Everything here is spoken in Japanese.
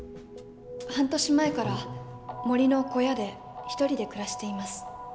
半年前から森の小屋で１人で暮らしています。